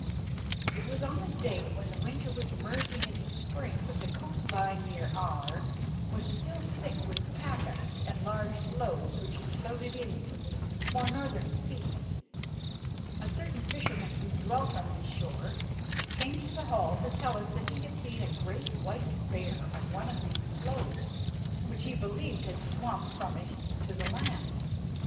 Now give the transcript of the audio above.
It was on a day when the winter was merging into spring, but the coast line near Aar was still thick with pack ice and large floes which had floated in from the more northern seas. A certain fisherman who dwelt on this shore came to the hall to tell us that he had seen a great white bear on one of these floes, which, he believed, had swum from it to the land.